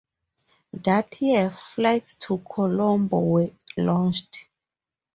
That year, flights to Colombo were launched.